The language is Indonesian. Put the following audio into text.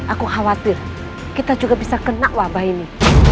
aku khawatir kita juga bisa kena wabah ini